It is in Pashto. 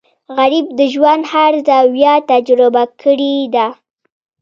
غریب د ژوند هر زاویه تجربه کړې ده